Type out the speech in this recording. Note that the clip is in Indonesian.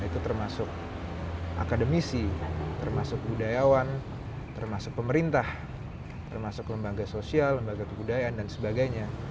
itu termasuk akademisi termasuk budayawan termasuk pemerintah termasuk lembaga sosial lembaga kebudayaan dan sebagainya